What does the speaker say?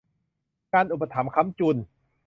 การอุปถัมภ์ค้ำจุน